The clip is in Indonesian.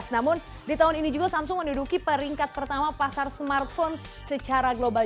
namun di tahun ini juga samsung menduduki peringkat pertama pasar smartphone secara global